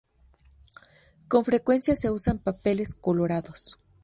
Con frecuencia se usan papeles colorados.